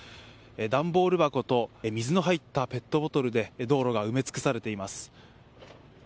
段ボール箱と水の入ったペットボトルで道路が埋め尽くされています。